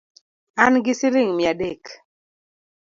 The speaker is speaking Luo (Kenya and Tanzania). An gi siling mia adek